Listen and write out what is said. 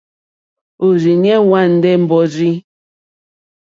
Òrzìɲɛ́ hwá àndè mbàrzì.